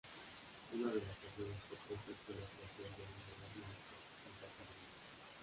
Una de las acciones propuestas fue la "creación de un nodo neutro" en Cataluña.